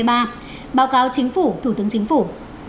báo cáo chính phủ thủ tướng chính phủ